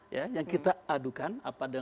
yang kita adukan